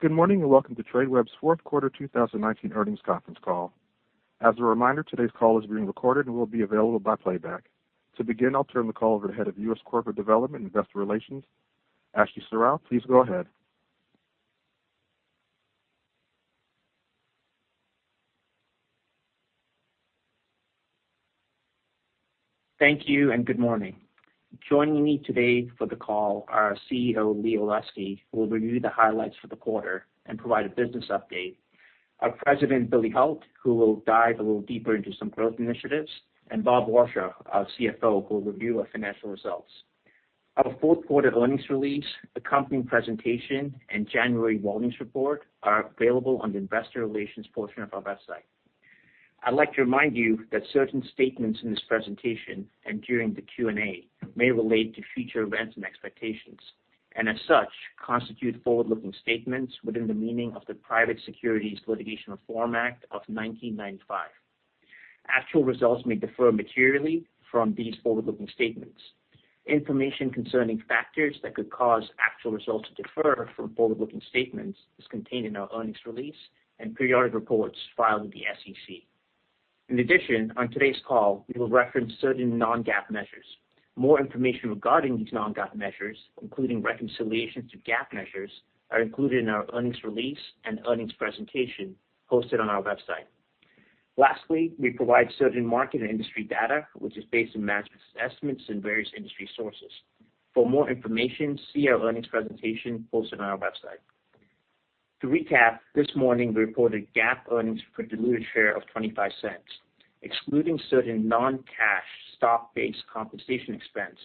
Good morning, welcome to Tradeweb's fourth quarter 2019 earnings conference call. As a reminder, today's call is being recorded and will be available by playback. To begin, I'll turn the call over to the Head of U.S. Corporate Development Investor Relations, Ashley Serrao. Please go ahead. Thank you, and good morning. Joining me today for the call are our CEO, Lee Olesky, who will review the highlights for the quarter and provide a business update, our President, Billy Hult, who will dive a little deeper into some growth initiatives, and Robert Warshaw, our CFO, who will review our financial results. Our fourth quarter earnings release, accompanying presentation, and January volumes report are available on the investor relations portion of our website. I'd like to remind you that certain statements in this presentation and during the Q&A may relate to future events and expectations, and as such, constitute forward-looking statements within the meaning of the Private Securities Litigation Reform Act of 1995. Actual results may differ materially from these forward-looking statements. Information concerning factors that could cause actual results to differ from forward-looking statements is contained in our earnings release and periodic reports filed with the SEC. In addition, on today's call, we will reference certain non-GAAP measures. More information regarding these non-GAAP measures, including reconciliations to GAAP measures, are included in our earnings release and earnings presentation hosted on our website. Lastly, we provide certain market and industry data, which is based on management's estimates and various industry sources. For more information, see our earnings presentation posted on our website. To recap, this morning, we reported GAAP earnings per diluted share of $0.25. Excluding certain non-cash stock-based compensation expense,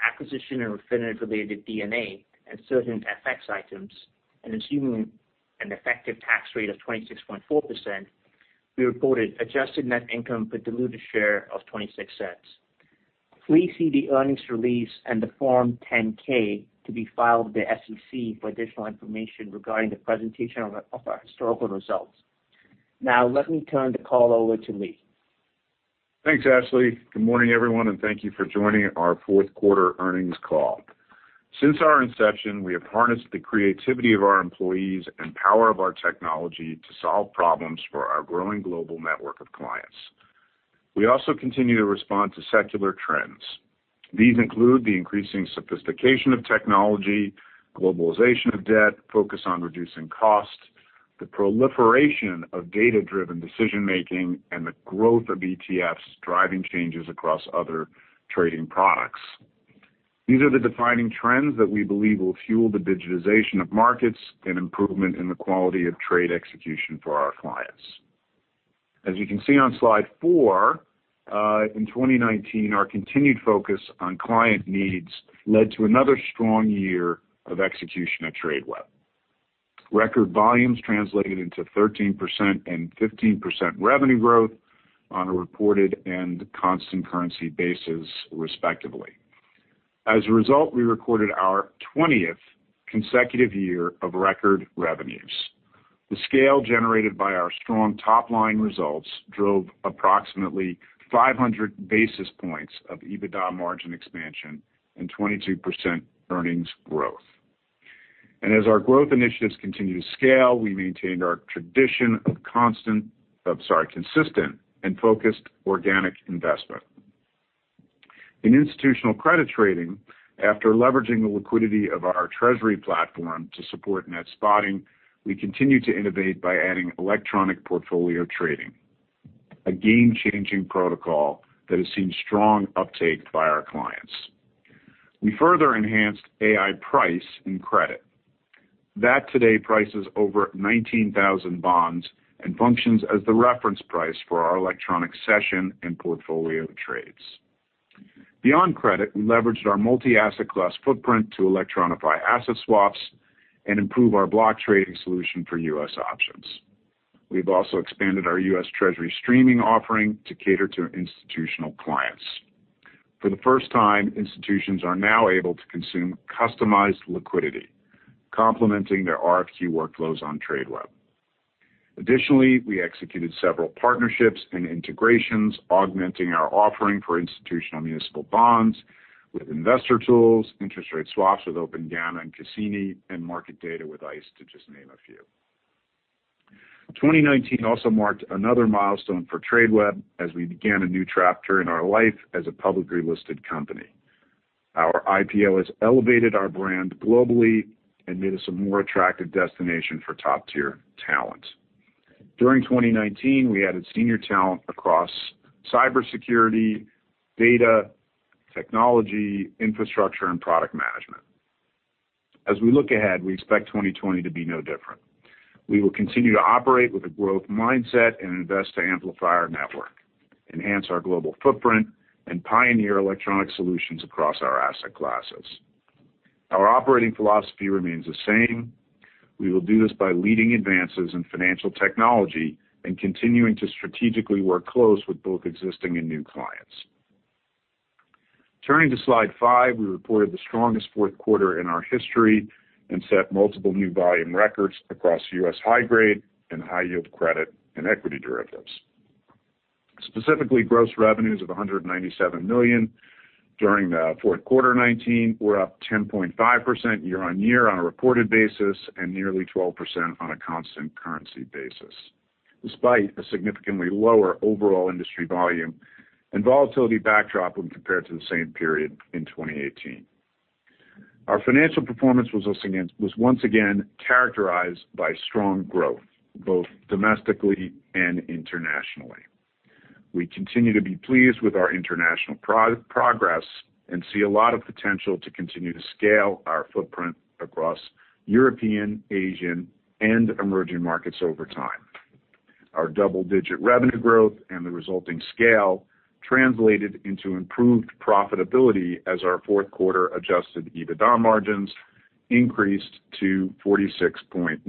acquisition and Refinitiv-related D&A, and certain FX items, and assuming an effective tax rate of 26.4%, we reported adjusted net income per diluted share of $0.26. Please see the earnings release and the Form 10-K to be filed with the SEC for additional information regarding the presentation of our historical results. Now, let me turn the call over to Lee Olesky. Thanks, Ashley Serrao. Good morning, everyone, thank you for joining our fourth quarter earnings call. Since our inception, we have harnessed the creativity of our employees and power of our technology to solve problems for our growing global network of clients. We also continue to respond to secular trends. These include the increasing sophistication of technology, globalization of debt, focus on reducing cost, the proliferation of data-driven decision-making, and the growth of ETFs driving changes across other trading products. These are the defining trends that we believe will fuel the digitization of markets and improvement in the quality of trade execution for our clients. As you can see on slide four, in 2019, our continued focus on client needs led to another strong year of execution at Tradeweb. Record volumes translated into 13% and 15% revenue growth on a reported and constant currency basis, respectively. As a result, we recorded our 20th consecutive year of record revenues. The scale generated by our strong top-line results drove approximately 500 basis points of EBITDA margin expansion and 22% earnings growth. As our growth initiatives continue to scale, we maintained our tradition of consistent and focused organic investment. In institutional credit trading, after leveraging the liquidity of our treasury platform to support Net Spotting, we continue to innovate by adding electronic portfolio trading, a game-changing protocol that has seen strong uptake by our clients. We further enhanced Ai-Price and credit. That today prices over 19,000 bonds and functions as the reference price for our electronic session and portfolio trades. Beyond credit, we leveraged our multi-asset class footprint to electronify asset swaps and improve our block trading solution for U.S. options. We've also expanded our U.S. Treasury streaming offering to cater to institutional clients. For the first time, institutions are now able to consume customized liquidity, complementing their RFQ workflows on Tradeweb. Additionally, we executed several partnerships and integrations, augmenting our offering for institutional municipal bonds with investor tools, interest rate swaps with OpenGamma and Cassini, and market data with ICE, to just name a few. 2019 also marked another milestone for Tradeweb as we began a new chapter in our life as a publicly listed company. Our IPO has elevated our brand globally and made us a more attractive destination for top-tier talent. During 2019, we added senior talent across cybersecurity, data, technology, infrastructure, and product management. As we look ahead, we expect 2020 to be no different. We will continue to operate with a growth mindset and invest to amplify our network, enhance our global footprint, and pioneer electronic solutions across our asset classes. Our operating philosophy remains the same. We will do this by leading advances in financial technology and continuing to strategically work close with both existing and new clients. Turning to slide five, we reported the strongest fourth quarter in our history and set multiple new volume records across U.S. high grade and high yield credit and equity derivatives. Specifically, gross revenues of $197 million during the fourth quarter 2019 were up 10.5% year-over-year on a reported basis, and nearly 12% on a constant currency basis, despite a significantly lower overall industry volume and volatility backdrop when compared to the same period in 2018. Our financial performance was once again characterized by strong growth, both domestically and internationally. We continue to be pleased with our international progress and see a lot of potential to continue to scale our footprint across European, Asian, and emerging markets over time. Our double-digit revenue growth and the resulting scale translated into improved profitability as our fourth quarter adjusted EBITDA margins increased to 46.9%.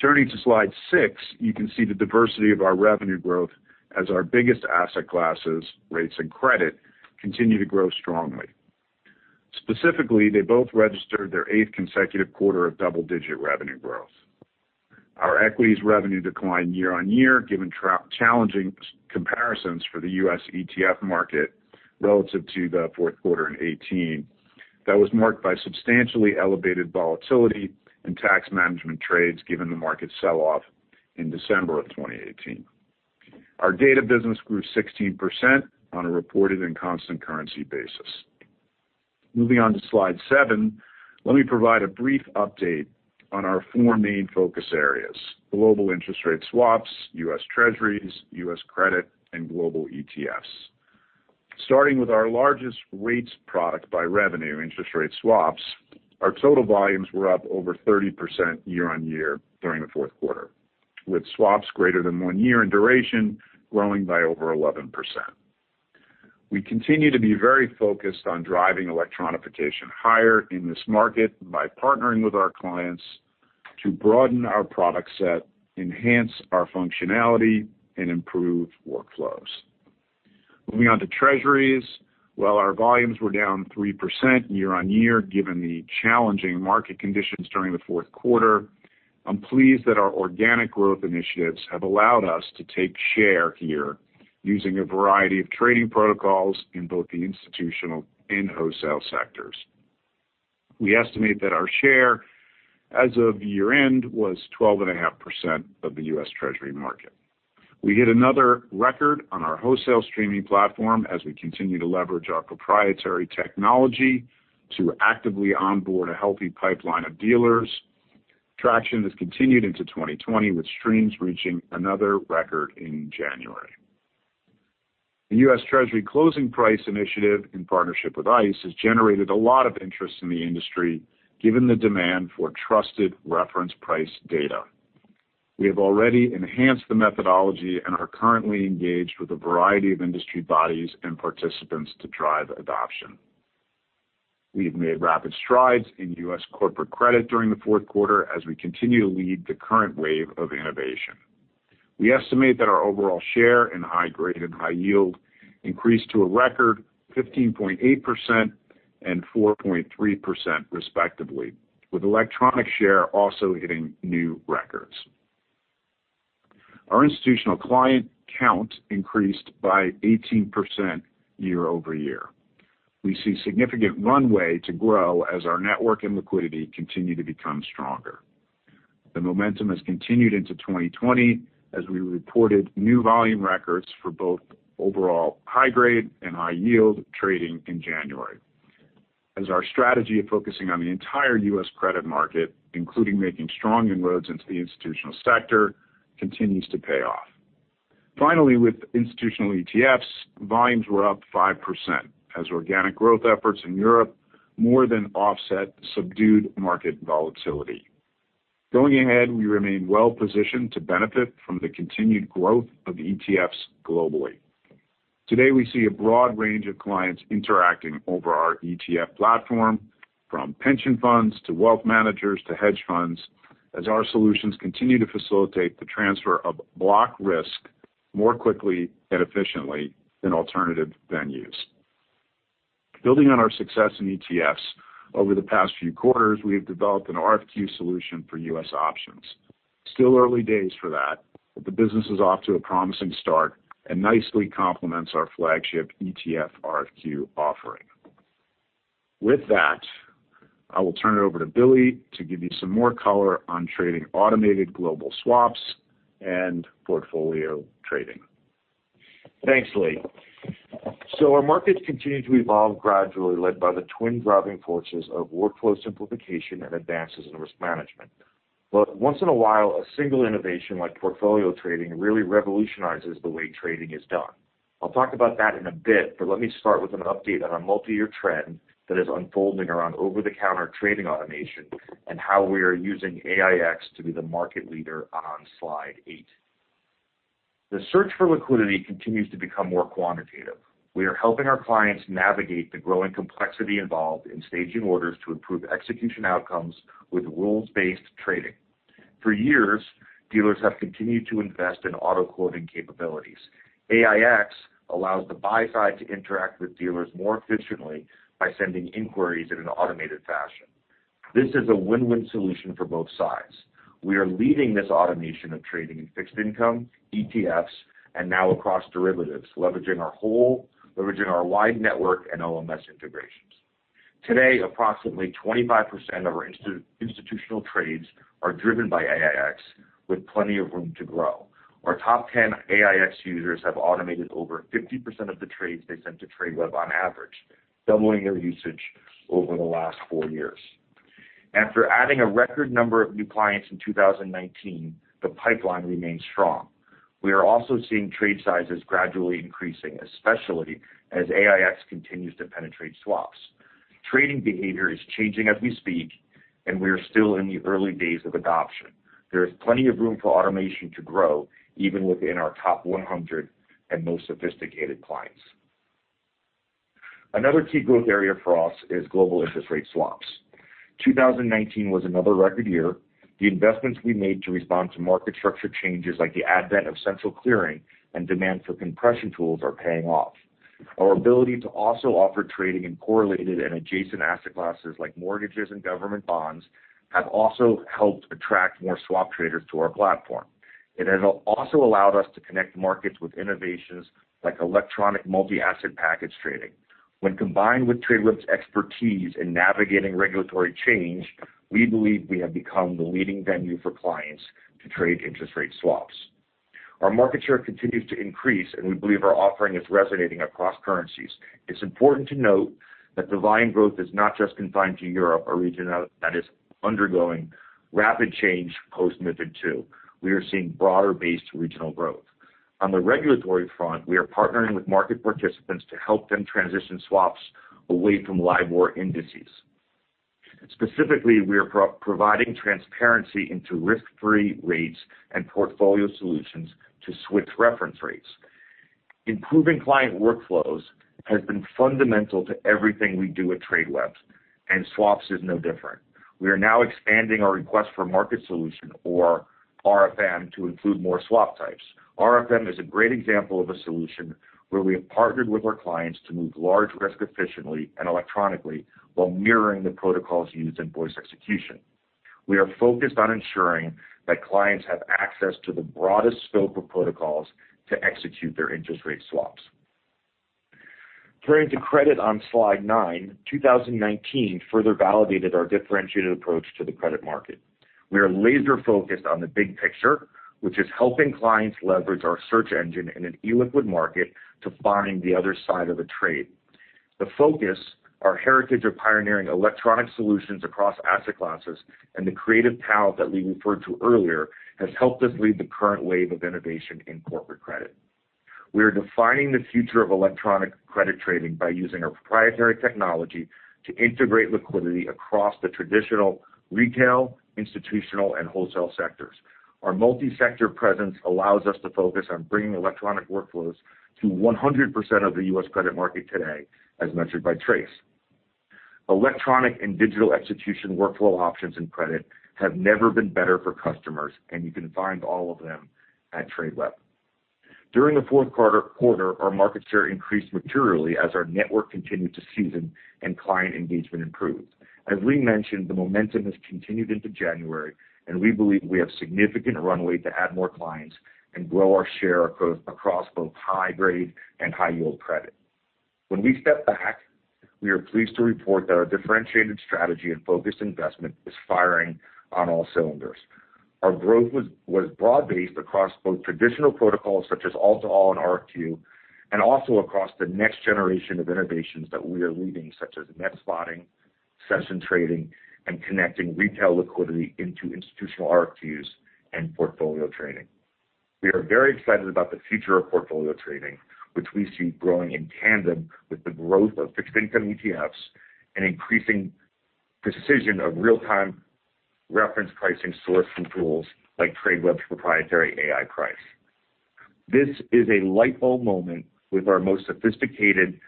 Turning to slide six, you can see the diversity of our revenue growth as our biggest asset classes, rates, and credit continue to grow strongly. Specifically, they both registered their eighth consecutive quarter of double-digit revenue growth. Our equities revenue declined year-on-year given challenging comparisons for the U.S. ETF market relative to the fourth quarter in 2018. That was marked by substantially elevated volatility and tax management trades given the market sell-off in December of 2018. Our data business grew 16% on a reported and constant currency basis. Moving on to slide seven, let me provide a brief update on our four main focus areas, global interest rate swaps, U.S. Treasuries, U.S. credit, and global ETFs. Starting with our largest rates product by revenue, interest rate swaps, our total volumes were up over 30% year-on-year during the fourth quarter, with swaps greater than one year in duration growing by over 11%. We continue to be very focused on driving electronification higher in this market by partnering with our clients to broaden our product set, enhance our functionality, and improve workflows. Moving on to Treasuries. While our volumes were down 3% year-on-year, given the challenging market conditions during the fourth quarter, I'm pleased that our organic growth initiatives have allowed us to take share here using a variety of trading protocols in both the institutional and wholesale sectors. We estimate that our share as of year-end was 12.5% of the U.S. Treasury market. We hit another record on our wholesale streaming platform as we continue to leverage our proprietary technology to actively onboard a healthy pipeline of dealers. Traction has continued into 2020 with streams reaching another record in January. The U.S. Treasury closing price initiative, in partnership with ICE, has generated a lot of interest in the industry, given the demand for trusted reference price data. We have already enhanced the methodology and are currently engaged with a variety of industry bodies and participants to drive adoption. We've made rapid strides in U.S. corporate credit during the fourth quarter as we continue to lead the current wave of innovation. We estimate that our overall share in high grade and high yield increased to a record 15.8% and 4.3% respectively, with electronic share also hitting new records. Our institutional client count increased by 18% year-over-year. We see significant runway to grow as our network and liquidity continue to become stronger. The momentum has continued into 2020 as we reported new volume records for both overall high grade and high-yield trading in January. As our strategy of focusing on the entire U.S. credit market, including making strong inroads into the institutional sector, continues to pay off. Finally, with institutional ETFs, volumes were up 5% as organic growth efforts in Europe more than offset subdued market volatility. Going ahead, we remain well positioned to benefit from the continued growth of ETFs globally. Today, we see a broad range of clients interacting over our ETF platform, from pension funds to wealth managers to hedge funds, as our solutions continue to facilitate the transfer of block risk more quickly and efficiently than alternative venues. Building on our success in ETFs over the past few quarters, we have developed an RFQ solution for U.S. options. Still early days for that, the business is off to a promising start and nicely complements our flagship ETF RFQ offering. With that, I will turn it over to Billy Hult to give you some more color on trading automated global swaps and portfolio trading. Thanks, Lee. Our markets continue to evolve gradually, led by the twin driving forces of workflow simplification and advances in risk management. Once in a while, a single innovation like portfolio trading really revolutionizes the way trading is done. I'll talk about that in a bit, let me start with an update on a multi-year trend that is unfolding around over-the-counter trading automation and how we are using AiEX to be the market leader on slide eight. The search for liquidity continues to become more quantitative. We are helping our clients navigate the growing complexity involved in staging orders to improve execution outcomes with rules-based trading. For years, dealers have continued to invest in auto quoting capabilities. AiEX allows the buy side to interact with dealers more efficiently by sending inquiries in an automated fashion. This is a win-win solution for both sides. We are leading this automation of trading in fixed income, ETFs, and now across derivatives, leveraging our wide network and OMS integrations. Today, approximately 25% of our institutional trades are driven by AiEX, with plenty of room to grow. Our top 10 AiEX users have automated over 50% of the trades they sent to Tradeweb on average, doubling their usage over the last four years. After adding a record number of new clients in 2019, the pipeline remains strong. We are also seeing trade sizes gradually increasing, especially as AiEX continues to penetrate swaps. Trading behavior is changing as we speak, and we are still in the early days of adoption. There is plenty of room for automation to grow, even within our top 100 and most sophisticated clients. Another key growth area for us is global interest rate swaps. 2019 was another record year. The investments we made to respond to market structure changes, like the advent of central clearing and demand for compression tools, are paying off. Our ability to also offer trading in correlated and adjacent asset classes like mortgages and government bonds, have also helped attract more swap traders to our platform. It has also allowed us to connect markets with innovations like electronic multi-asset package trading. When combined with Tradeweb's expertise in navigating regulatory change, we believe we have become the leading venue for clients to trade interest rate swaps. Our market share continues to increase, and we believe our offering is resonating across currencies. It's important to note that the volume growth is not just confined to Europe, a region that is undergoing rapid change post-MiFID II. We are seeing broader-based regional growth. On the regulatory front, we are partnering with market participants to help them transition swaps away from LIBOR indices. Specifically, we are providing transparency into risk-free rates and portfolio solutions to switch reference rates. Improving client workflows has been fundamental to everything we do at Tradeweb, and swaps is no different. We are now expanding our request for market solution or RFM to include more swap types. RFM is a great example of a solution where we have partnered with our clients to move large risk efficiently and electronically while mirroring the protocols used in voice execution. We are focused on ensuring that clients have access to the broadest scope of protocols to execute their interest rate swaps. Turning to credit on slide nine, 2019 further validated our differentiated approach to the credit market. We are laser-focused on the big picture, which is helping clients leverage our search engine in an illiquid market to find the other side of a trade. The focus, our heritage of pioneering electronic solutions across asset classes, and the creative talent that Lee Olesky referred to earlier, has helped us lead the current wave of innovation in corporate credit. We are defining the future of electronic credit trading by using our proprietary technology to integrate liquidity across the traditional retail, institutional, and wholesale sectors. Our multi-sector presence allows us to focus on bringing electronic workflows to 100% of the U.S. credit market today, as measured by TRACE. Electronic and digital execution workflow options and credit have never been better for customers, and you can find all of them at Tradeweb. During the fourth quarter, our market share increased materially as our network continued to season and client engagement improved. As Lee Olesky mentioned, the momentum has continued into January, and we believe we have significant runway to add more clients and grow our share across both high grade and high yield credit. When we step back, we are pleased to report that our differentiated strategy and focused investment is firing on all cylinders. Our growth was broad-based across both traditional protocols such as all-to-all and RFQ, and also across the next generation of innovations that we are leading, such as Net Spotting, trading session, and connecting retail liquidity into institutional RFQs and portfolio trading. We are very excited about the future of portfolio trading, which we see growing in tandem with the growth of fixed income ETFs and increasing precision of real-time reference pricing sourcing tools like Tradeweb's proprietary Ai-Price. This is a light bulb moment with our most sophisticated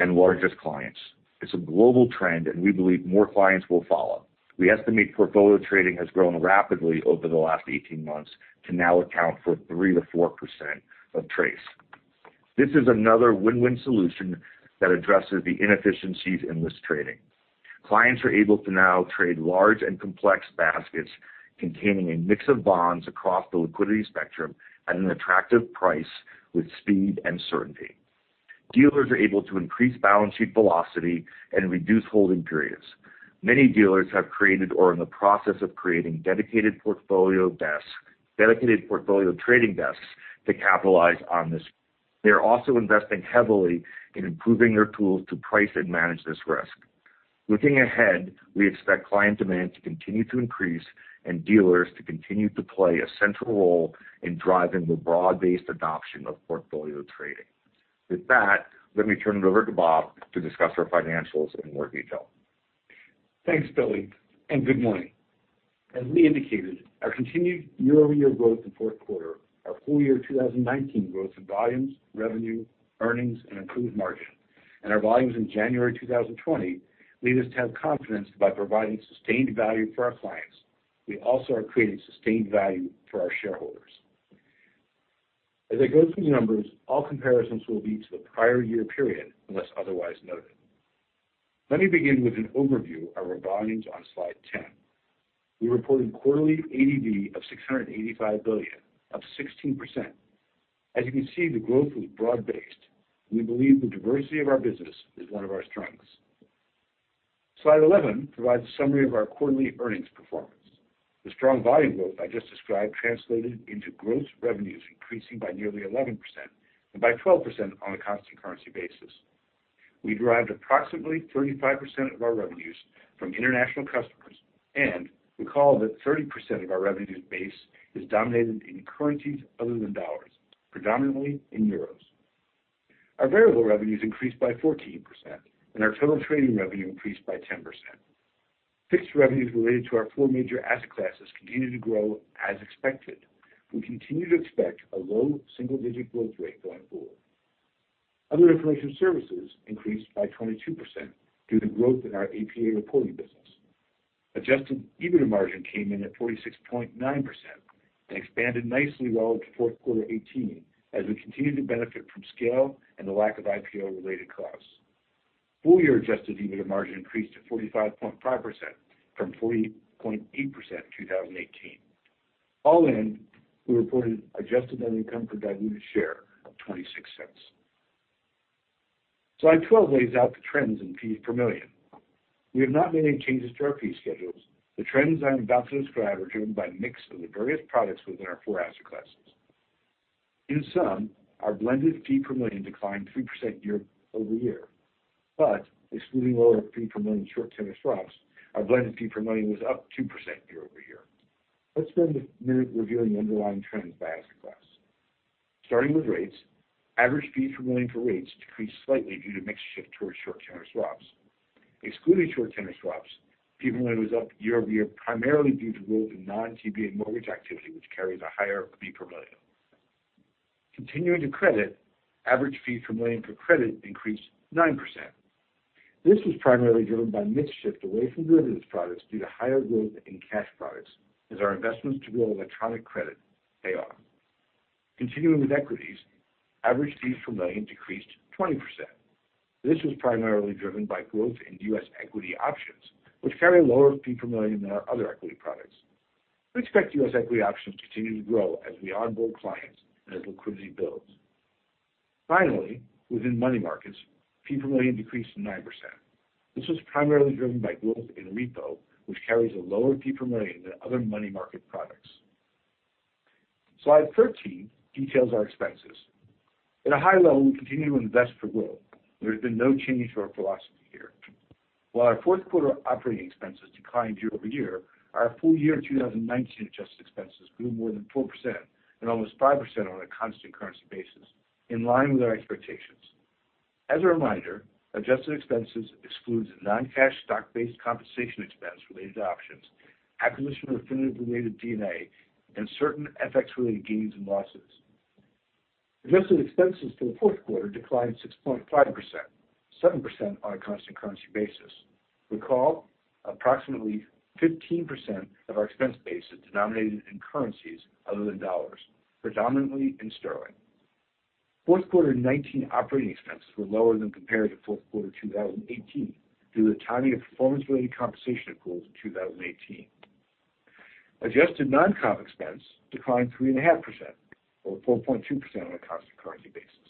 and largest clients. It's a global trend and we believe more clients will follow. We estimate portfolio trading has grown rapidly over the last 18 months to now account for 3%-4% of TRACE. This is another win-win solution that addresses the inefficiencies in risk trading. Clients are able to now trade large and complex baskets containing a mix of bonds across the liquidity spectrum at an attractive price with speed and certainty. Dealers are able to increase balance sheet velocity and reduce holding periods. Many dealers have created or are in the process of creating dedicated portfolio trading desks to capitalize on this. They are also investing heavily in improving their tools to price and manage this risk. Looking ahead, we expect client demand to continue to increase and dealers to continue to play a central role in driving the broad-based adoption of portfolio trading. With that, let me turn it over to Robert Warshaw to discuss our financials in more detail. Thanks, Billy Hult, and good morning. As Lee Olesky indicated, our continued year-over-year growth in fourth quarter, our full year 2019 growth in volumes, revenue, earnings, and improved margin, and our volumes in January 2020, lead us to have confidence by providing sustained value for our clients. We also are creating sustained value for our shareholders. As I go through the numbers, all comparisons will be to the prior year period, unless otherwise noted. Let me begin with an overview of our volumes on slide 10. We reported quarterly ADV of $685 billion, up 16%. As you can see, the growth was broad-based. We believe the diversity of our business is one of our strengths. Slide 11 provides a summary of our quarterly earnings performance. The strong volume growth I just described translated into gross revenues increasing by nearly 11%, and by 12% on a constant currency basis. We derived approximately 35% of our revenues from international customers, and recall that 30% of our revenues base is dominated in currencies other than US dollars, predominantly in EUR. Our variable revenues increased by 14%, and our total trading revenue increased by 10%. Fixed revenues related to our four major asset classes continued to grow as expected. We continue to expect a low single-digit growth rate going forward. Other information services increased by 22% due to growth in our APA reporting business. Adjusted EBITDA margin came in at 46.9% and expanded nicely well to fourth quarter 2018 as we continue to benefit from scale and the lack of IPO-related costs. Full-year adjusted EBITDA margin increased to 45.5% from 40.8% in 2018. All in, we reported adjusted net income per diluted share of $0.26. Slide 12 lays out the trends in fee per million. We have not made any changes to our fee schedules. The trends I'm about to describe are driven by mix of the various products within our four asset classes. Our blended fee per million declined 3% year-over-year. Excluding lower fee per million short tenor swaps, our blended fee per million was up 2% year-over-year. Let's spend a minute reviewing the underlying trends by asset class. Starting with rates, average fee per million for rates decreased slightly due to mix shift towards short tenor swaps. Excluding short tenor swaps, fee per million was up year-over-year, primarily due to growth in non-GNMA mortgage activity, which carries a higher fee per million. Continuing to credit, average fee per million for credit increased 9%. This was primarily driven by mix shift away from derivatives products due to higher growth in cash products as our investments to grow electronic credit pay off. Continuing with equities, average fees per million decreased 20%. This was primarily driven by growth in U.S. equity options, which carry a lower fee per million than our other equity products. We expect U.S. equity options to continue to grow as we onboard clients and as liquidity builds. Finally, within money markets, fee per million decreased 9%. This was primarily driven by growth in repo, which carries a lower fee per million than other money market products. Slide 13 details our expenses. At a high level, we continue to invest for growth. There has been no change to our philosophy here. While our fourth quarter operating expenses declined year-over-year, our full year 2019 adjusted expenses grew more than 4% and almost 5% on a constant currency basis, in line with our expectations. As a reminder, adjusted expenses excludes non-cash stock-based compensation expense related to options, acquisition of Refinitiv-related D&A, and certain FX-related gains and losses. Adjusted expenses for the fourth quarter declined 6.5%, 7% on a constant currency basis. Recall, approximately 15% of our expense base is denominated in currencies other than dollars, predominantly in sterling. Fourth quarter 2019 operating expenses were lower than compared to fourth quarter 2018 due to the timing of performance-related compensation accruals in 2018. Adjusted non-competitive expense declined 3.5%, or 4.2% on a constant currency basis.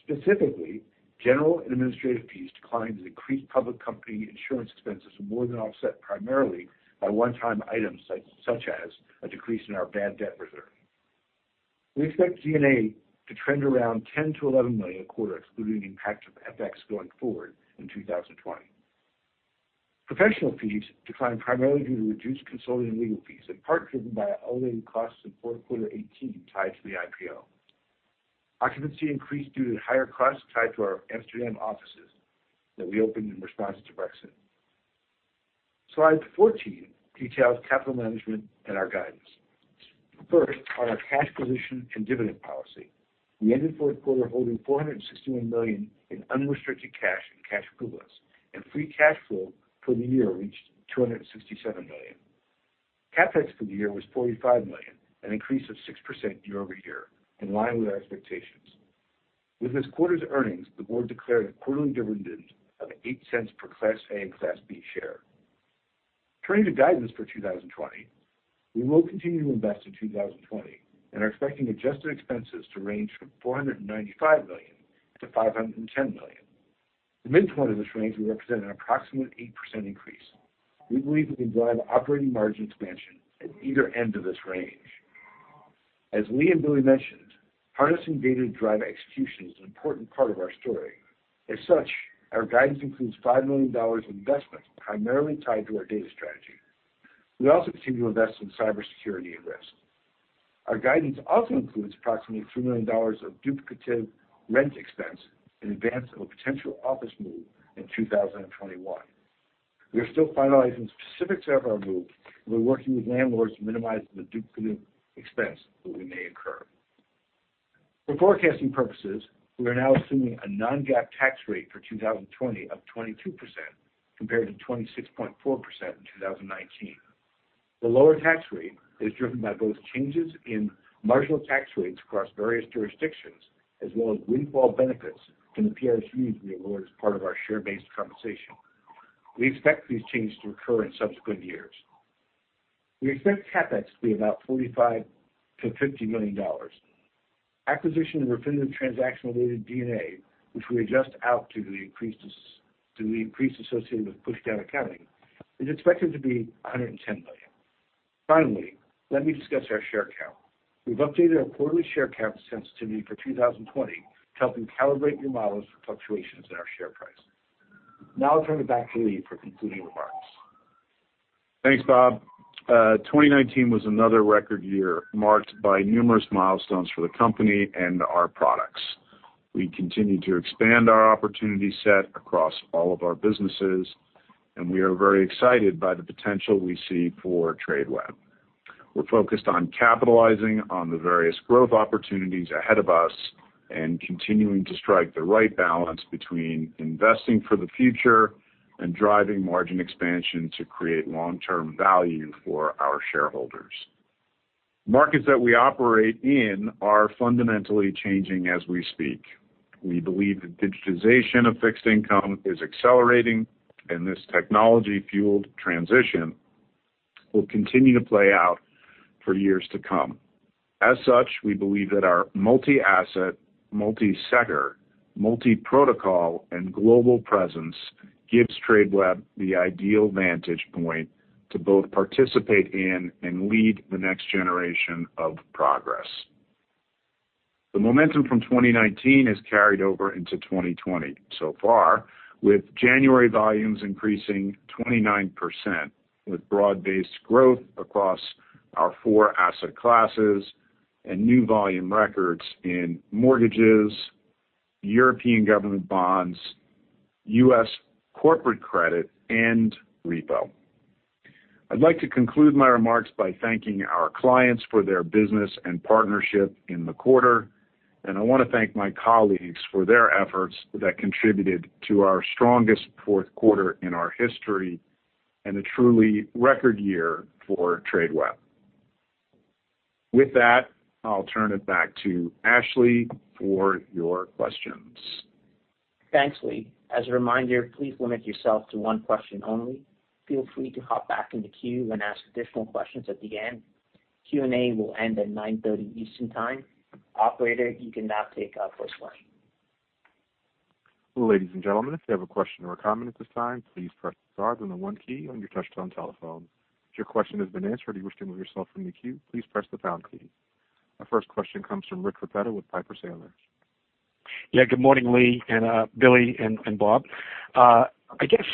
Specifically, general and administrative fees declined as increased public company insurance expenses were more than offset primarily by one-time items such as a decrease in our bad debt reserve. We expect D&A to trend around $10 million-$11 million a quarter, excluding the impact of FX going forward in 2020. Professional fees declined primarily due to reduced consulting and legal fees, in part driven by outlying costs in fourth quarter 2018 tied to the IPO. Occupancy increased due to higher costs tied to our Amsterdam offices that we opened in response to Brexit. Slide 14 details capital management and our guidance. First, on our cash position and dividend policy, we ended fourth quarter holding $461 million in unrestricted cash and cash equivalents, and free cash flow for the year reached $267 million. CapEx for the year was $45 million, an increase of 6% year-over-year, in line with our expectations. With this quarter's earnings, the board declared a quarterly dividend of $0.08 per Class A and Class B share. Turning to guidance for 2020, we will continue to invest in 2020 and are expecting adjusted expenses to range from $495 million-$510 million. The midpoint of this range will represent an approximate 8% increase. We believe we can drive operating margin expansion at either end of this range. As Lee Olesky and Billy Hult mentioned, harnessing data to drive execution is an important part of our story. As such, our guidance includes $5 million in investment primarily tied to our data strategy. We also continue to invest in cybersecurity and risk. Our guidance also includes approximately $3 million of duplicative rent expense in advance of a potential office move in 2021. We are still finalizing specifics of our move, and we're working with landlords to minimize the duplicate expense that we may incur. For forecasting purposes, we are now assuming a non-GAAP tax rate for 2020 of 22% compared to 26.4% in 2019. The lower tax rate is driven by both changes in marginal tax rates across various jurisdictions, as well as windfall benefits from the PSUs we award as part of our share-based compensation. We expect these changes to occur in subsequent years. We expect CapEx to be about $45 million-$50 million. Acquisition and Refinitiv transaction-related D&A, which we adjust out to the increase associated with push-down accounting, is expected to be $110 million. Finally, let me discuss our share count. We've updated our quarterly share count sensitivity for 2020 to help you calibrate your models for fluctuations in our share price. Now I'll turn it back to Lee Olesky for concluding remarks. Thanks, Robert Warshaw. 2019 was another record year, marked by numerous milestones for the company and our products. We continue to expand our opportunity set across all of our businesses, and we are very excited by the potential we see for Tradeweb. We're focused on capitalizing on the various growth opportunities ahead of us, and continuing to strike the right balance between investing for the future and driving margin expansion to create long-term value for our shareholders. Markets that we operate in are fundamentally changing as we speak. We believe that digitization of fixed income is accelerating, and this technology-fueled transition will continue to play out for years to come. As such, we believe that our multi-asset, multi-sector, multi-protocol, and global presence gives Tradeweb the ideal vantage point to both participate in and lead the next generation of progress. The momentum from 2019 has carried over into 2020 so far, with January volumes increasing 29%, with broad-based growth across our four asset classes and new volume records in mortgages, European government bonds, U.S. corporate credit, and repo. I'd like to conclude my remarks by thanking our clients for their business and partnership in the quarter, and I want to thank my colleagues for their efforts that contributed to our strongest fourth quarter in our history, and a truly record year for Tradeweb. With that, I'll turn it back to Ashley Serrao for your questions. Thanks, Lee. As a reminder, please limit yourself to one question only. Feel free to hop back in the queue and ask additional questions at the end. Q&A will end at 9:30 Eastern Time. Operator, you can now take our first line. Ladies and gentlemen, if you have a question or a comment at this time, please press star then the one key on your touch-tone telephone. If your question has been answered or you wish to remove yourself from the queue, please press the pound key. Our first question comes from Rich Repetto with Piper Sandler. Yeah. Good morning, Lee Olesky and Billy Hult and Robert Warshaw. I guess,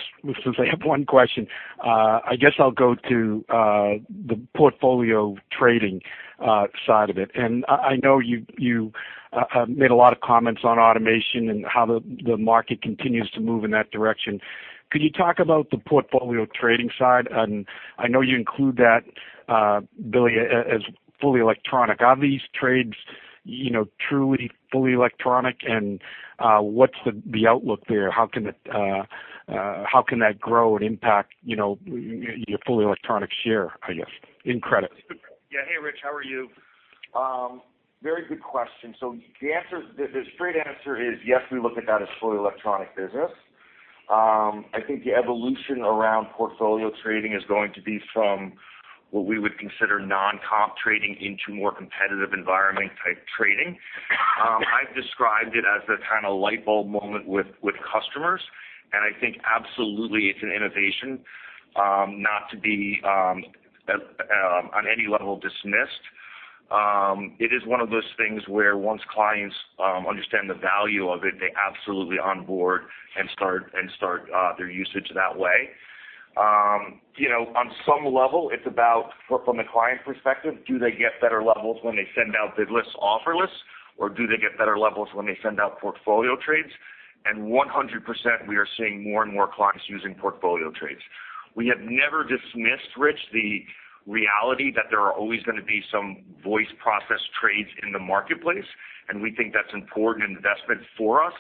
since I have one question, I guess I'll go to the portfolio trading side of it. I know you made a lot of comments on automation and how the market continues to move in that direction. Could you talk about the portfolio trading side? I know you include that, Billy Hult, as fully electronic. Are these trades truly fully electronic, and what's the outlook there? How can that grow and impact your fully electronic share, I guess, in credit? Yeah. Hey, Rich Repetto, how are you? Very good question. The straight answer is, yes, we look at that as fully electronic business. I think the evolution around portfolio trading is going to be from what we would consider non-competitive trading into more competitive environment-type trading. I've described it as the kind of light bulb moment with customers, and I think absolutely it's an innovation, not to be on any level dismissed. It is one of those things where once clients understand the value of it, they absolutely onboard and start their usage that way. On some level, it's about from the client perspective, do they get better levels when they send out bid lists, offer lists, or do they get better levels when they send out portfolio trades? 100%, we are seeing more and more clients using portfolio trades. We have never dismissed, Rich Repetto, the reality that there are always going to be some voice process trades in the marketplace, and we think that's an important investment for us.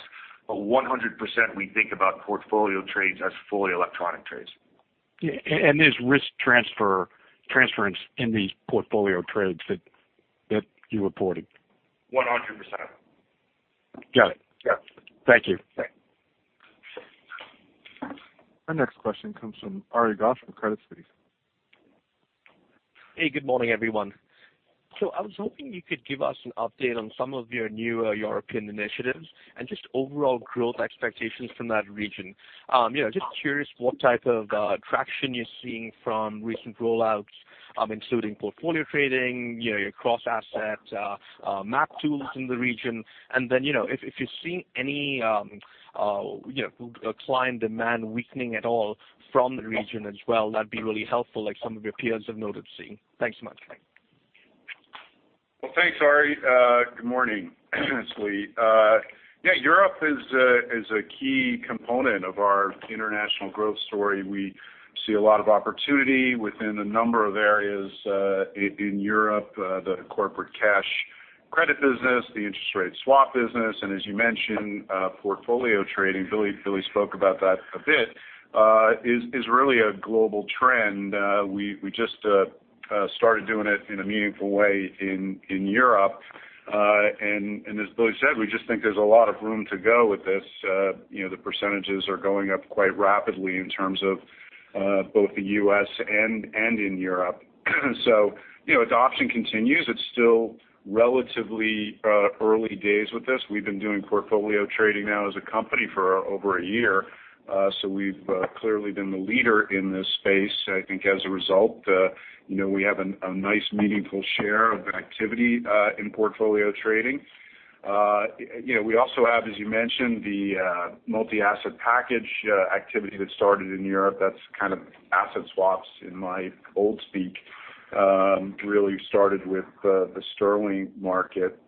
100%, we think about portfolio trades as fully electronic trades. Yeah. There's risk transference in these portfolio trades that you reported. 100%. Got it. Yeah. Thank you. Okay. Our next question comes from Ari Ghosh with Credit Suisse. Hey. Good morning, everyone. I was hoping you could give us an update on some of your newer European initiatives and just overall growth expectations from that region. Just curious what type of traction you're seeing from recent rollouts, including portfolio trading, your cross-asset MAP tools in the region. If you're seeing any client demand weakening at all from the region as well, that'd be really helpful, like some of your peers have noted seeing. Thanks so much. Well, thanks, Ari. Good morning. This is Lee Olesky. Yeah, Europe is a key component of our international growth story. We see a lot of opportunity within a number of areas in Europe, the corporate cash Credit business, the interest rate swap business, and as you mentioned, portfolio trading, Billy Hult spoke about that a bit, is really a global trend. We just started doing it in a meaningful way in Europe. As Billy Hult said, we just think there's a lot of room to go with this. The percentages are going up quite rapidly in terms of both the U.S. and in Europe. Adoption continues. It's still relatively early days with this. We've been doing portfolio trading now as a company for over a year. We've clearly been the leader in this space. I think as a result we have a nice meaningful share of activity, in portfolio trading. We also have, as you mentioned, the multi-asset package activity that started in Europe. That's kind of asset swaps in my old speak, really started with the sterling market,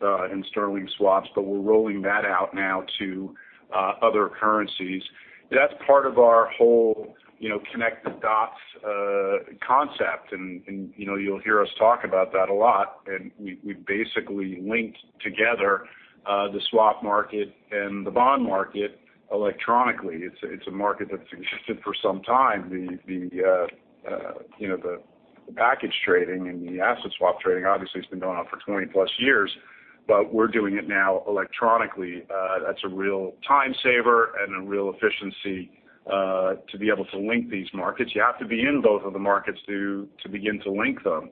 and sterling swaps. We're rolling that out now to other currencies. That's part of our whole connect-the-dots concept. You'll hear us talk about that a lot. We've basically linked together the swap market and the bond market electronically. It's a market that's existed for some time. The package trading and the asset swap trading obviously has been going on for 20-plus years, but we're doing it now electronically. That's a real time saver and a real efficiency to be able to link these markets. You have to be in both of the markets to begin to link them.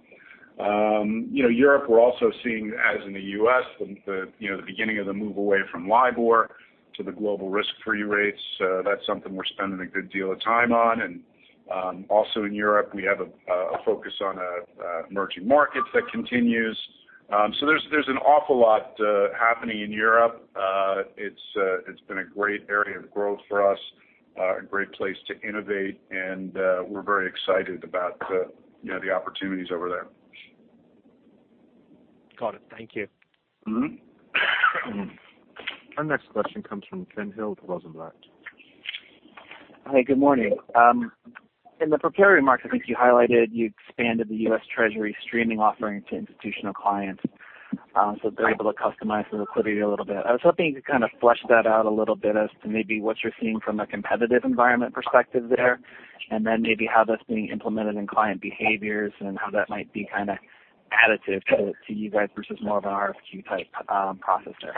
Europe, we're also seeing, as in the U.S., the beginning of the move away from LIBOR to the global risk-free rates. That's something we're spending a good deal of time on. Also in Europe, we have a focus on emerging markets that continues. There's an awful lot happening in Europe. It's been a great area of growth for us, a great place to innovate, and we're very excited about the opportunities over there. Got it. Thank you. Our next question comes from Ken Hill with Rosenblatt. Hi, good morning. In the prepared remarks, I think you highlighted you expanded the U.S. Treasury streaming offering to institutional clients so they're able to customize the liquidity a little bit. I was hoping you could kind of flesh that out a little bit as to maybe what you're seeing from a competitive environment perspective there, and then maybe how that's being implemented in client behaviors, and how that might be additive to you guys versus more of an RFQ-type processor?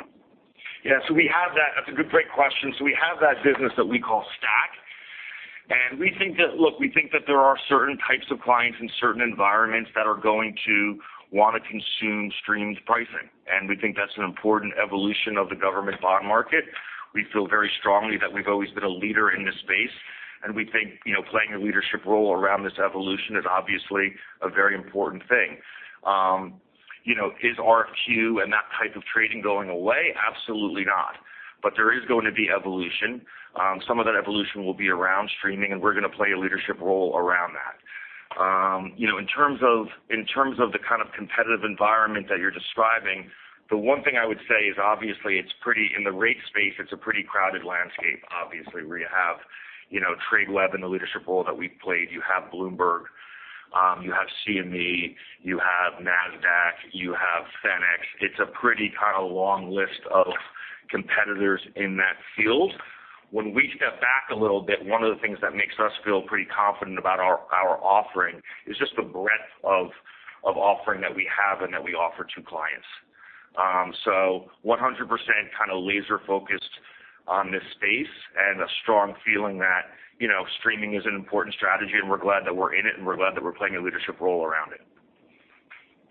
Yeah. That's a great question. We have that business that we call Stack. We think that there are certain types of clients in certain environments that are going to want to consume streamed pricing. We think that's an important evolution of the government bond market. We feel very strongly that we've always been a leader in this space. We think playing a leadership role around this evolution is obviously a very important thing. Is RFQ and that type of trading going away? Absolutely not. There is going to be evolution. Some of that evolution will be around streaming. We're going to play a leadership role around that. In terms of the kind of competitive environment that you're describing, the one thing I would say is obviously in the rate space, it's a pretty crowded landscape, obviously, where you have Tradeweb in the leadership role that we've played. You have Bloomberg, you have CME, you have Nasdaq, you have Fenics. It's a pretty long list of competitors in that field. When we step back a little bit, one of the things that makes us feel pretty confident about our offering is just the breadth of offering that we have and that we offer to clients. 100% laser-focused on this space and a strong feeling that streaming is an important strategy, and we're glad that we're in it, and we're glad that we're playing a leadership role around it.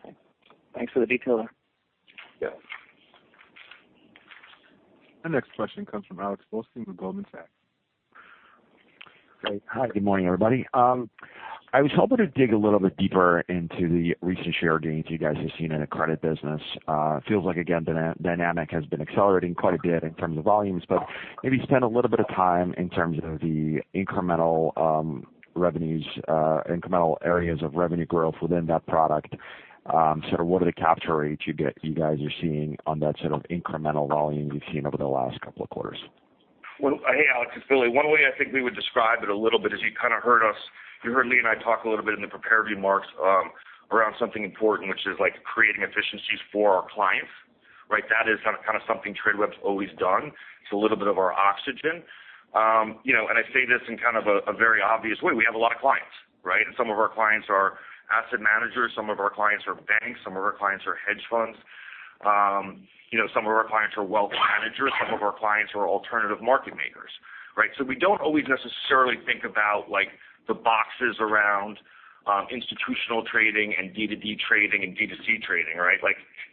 Okay. Thanks for the detail there. Yeah. Our next question comes from Alexander Blostein with Goldman Sachs. Great. Hi, good morning, everybody. I was hoping to dig a little bit deeper into the recent share gains you guys have seen in the credit business. Feels like, again, dynamic has been accelerating quite a bit in terms of volumes. Maybe spend a little bit of time in terms of the incremental revenues, incremental areas of revenue growth within that product. Sort of what are the capture rates you guys are seeing on that set of incremental volumes you've seen over the last couple of quarters? Well, hey, Alex, it's Billy Hult. One way I think we would describe it a little bit is you kind of heard us, you heard Lee Olesky and I talk a little bit in the prepared remarks around something important, which is creating efficiencies for our clients. That is kind of something Tradeweb's always done. It's a little bit of our oxygen. I say this in kind of a very obvious way. We have a lot of clients, right? Some of our clients are asset managers, some of our clients are banks, some of our clients are hedge funds. Some of our clients are wealth managers, some of our clients are alternative market makers. We don't always necessarily think about the boxes around institutional trading and D2D trading and D2C trading, right?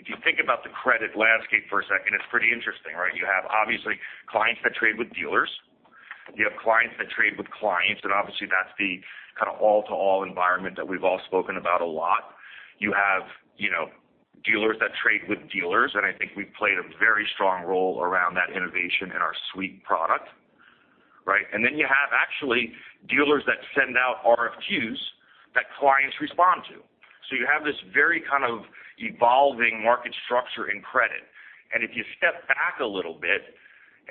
If you think about the credit landscape for a second, it's pretty interesting, right? You have, obviously, clients that trade with dealers. You have clients that trade with clients, and obviously that's the kind of all-to-all environment that we've all spoken about a lot. You have dealers that trade with dealers, and I think we've played a very strong role around that innovation in our suite product, right? Then you have actually dealers that send out RFQs that clients respond to. You have this very kind of evolving market structure in credit. If you step back a little bit.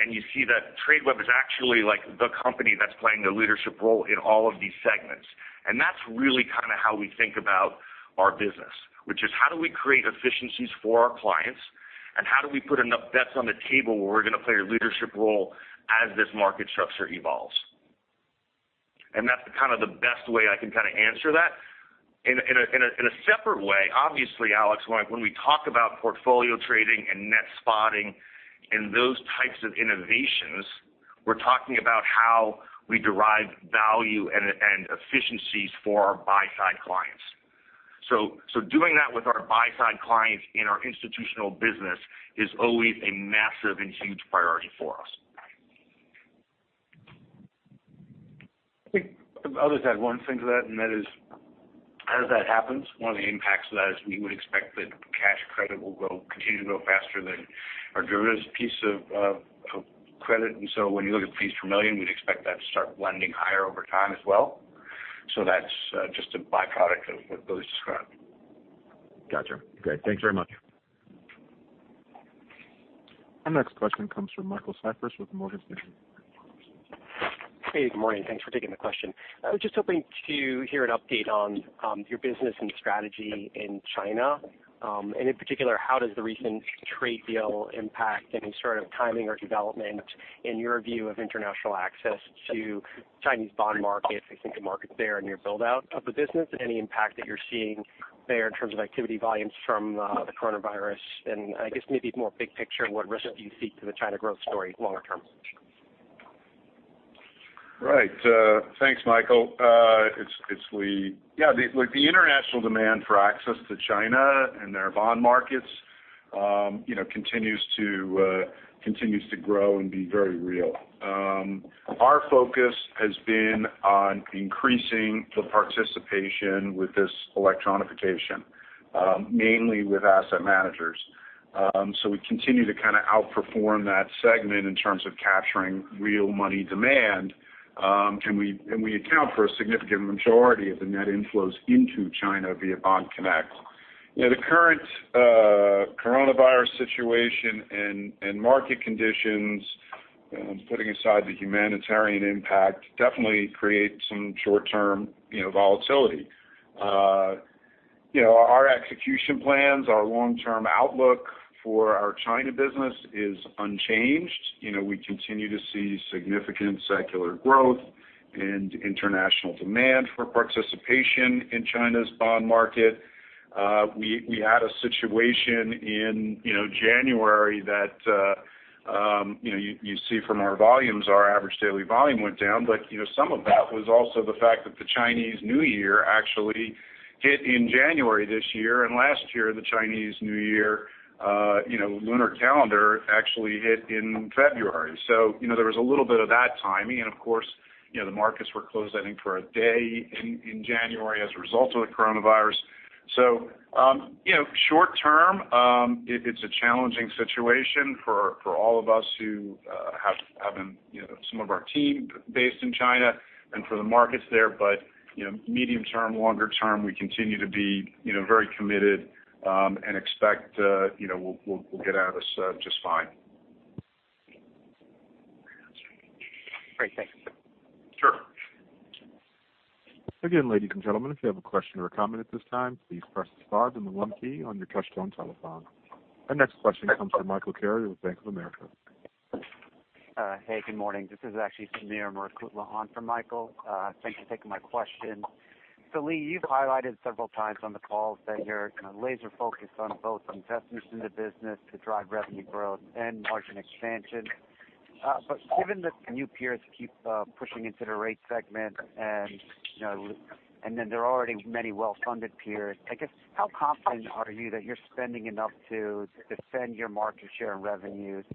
You see that Tradeweb is actually the company that's playing the leadership role in all of these segments. That's really kind of how we think about our business, which is how do we create efficiencies for our clients, and how do we put enough bets on the table where we're going to play a leadership role as this market structure evolves. That's kind of the best way I can kind of answer that. In a separate way, obviously, Alex, when we talk about portfolio trading and Net Spotting and those types of innovations, we're talking about how we derive value and efficiencies for our buy-side clients. Doing that with our buy-side clients in our institutional business is always a massive and huge priority for us. I think, I'll just add one thing to that, and that is, as that happens, one of the impacts of that is we would expect that cash credit will continue to grow faster than our derivatives piece of credit. When you look at fees per million, we'd expect that to start lending higher over time as well. That's just a byproduct of what Billy Hult described. Got you. Okay. Thanks very much. Our next question comes from Michael Cyprys with Morgan Stanley. Hey, good morning. Thanks for taking the question. I was just hoping to hear an update on your business and strategy in China. In particular, how does the recent trade deal impact any sort of timing or development in your view of international access to Chinese bond market? I think the markets there and your build-out of the business, any impact that you're seeing there in terms of activity volumes from the coronavirus? I guess maybe more big picture, what risk do you see to the China growth story longer term? Right. Thanks, Michael Cyprys. The international demand for access to China and their bond markets continues to grow and be very real. Our focus has been on increasing the participation with this electronification, mainly with asset managers. We continue to kind of outperform that segment in terms of capturing real money demand. We account for a significant majority of the net inflows into China via Bond Connect. The current coronavirus situation and market conditions, putting aside the humanitarian impact, definitely create some short-term volatility. Our execution plans, our long-term outlook for our China business is unchanged. We continue to see significant secular growth and international demand for participation in China's bond market. We had a situation in January that you see from our volumes, our average daily volume went down. Some of that was also the fact that the Chinese New Year actually hit in January this year, and last year, the Chinese New Year lunar calendar actually hit in February. There was a little bit of that timing. Of course, the markets were closed, I think, for a day in January as a result of the coronavirus. Short-term, it's a challenging situation for all of us who have some of our team based in China and for the markets there. Medium-term, longer term, we continue to be very committed, and expect we'll get out of this just fine. Great. Thank you, sir. Sure. Again, ladies and gentlemen, if you have a question or a comment at this time, please press the star and the one key on your touchtone telephone. Our next question comes from Michael Carrier with Bank of America. Hey, good morning. This is actually Sameer Murukutla for Michael. Thanks for taking my question. Lee, you've highlighted several times on the call that you're kind of laser-focused on both investments in the business to drive revenue growth and margin expansion. Given that the new peers keep pushing into the rate segment and then there are already many well-funded peers, I guess, how confident are you that you're spending enough to defend your market share and revenues?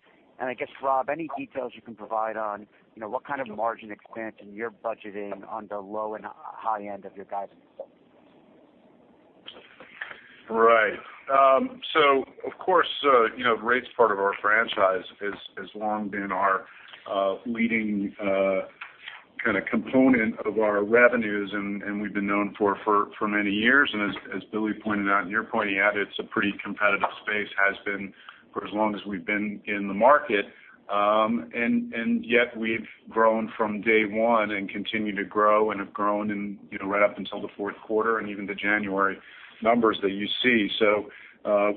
I guess, Rob, any details you can provide on what kind of margin expansion you're budgeting on the low and high end of your guidance? Right. Of course, rates part of our franchise has long been our leading kind of component of our revenues, and we've been known for many years. As Billy Hult pointed out, and you're pointing out, it's a pretty competitive space, has been for as long as we've been in the market. Yet we've grown from day one and continue to grow and have grown right up until the fourth quarter and even the January numbers that you see.